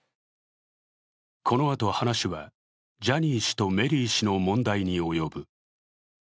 このあと、話はジャニー氏とメリー氏の問題に及ぶ。